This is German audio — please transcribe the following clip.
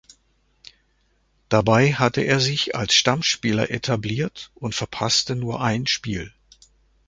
Dabei hatte er sich als Stammspieler etabliert und verpasste nur ein Spiel.